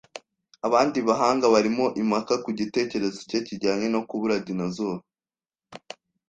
Abandi bahanga barimo impaka ku gitekerezo cye kijyanye no kubura dinosaur